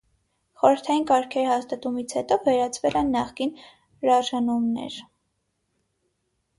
Խորհրդային կարգերի հաստատումից հետո վերացվել են նախկին րաժանումներր։